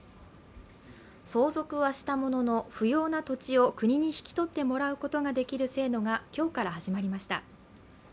相続はしたものの、不要な土地を国に引き取ってもらうことができる制度が今日から始まりました。